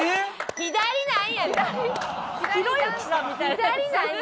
左なんよ？